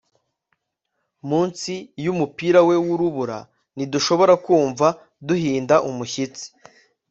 Munsi yumupira we wurubura ntidushobora kumva duhinda umushyitsi